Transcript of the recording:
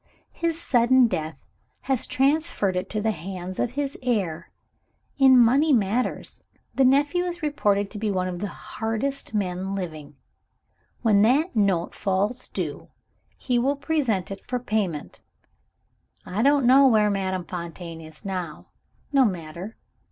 His sudden death has transferred it to the hands of his heir. In money matters, the nephew is reported to be one of the hardest men living. When that note falls due, he will present it for payment. I don't know where Madame Fontaine is now. No matter!